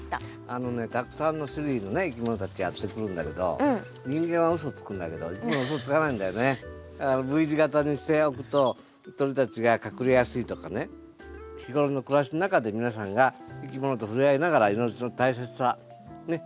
あのねたくさんの種類のいきものたちやって来るんだけど人間はウソつくんだけどだからＶ字型にしておくと鳥たちが隠れやすいとかね日頃の暮らしの中で皆さんがいきものと触れ合いながら命の大切さ学んでいきましょう。